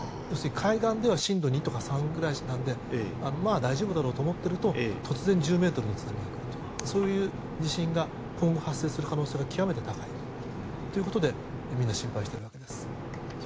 要するに海岸では震度２とか３ぐらいですが大丈夫だろうと思っていると突然１０ｍの津波が来るというそういう地震が今後発生する可能性が極めて高いということでみんな心配しているわけです。